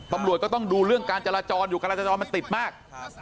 ตำรวจก็ต้องดูเรื่องการจราจรอยู่การจราจรมันติดมาก